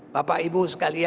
bapak ibu sekalian